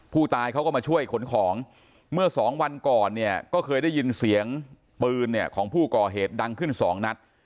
ผู้ตายเขาก็มาช่วยขนของเมื่อสองวันก่อนเนี่ยก็เคยได้ยินเสียงปืนเนี่ยของผู้ก่อเหตุดังขึ้นสองนัด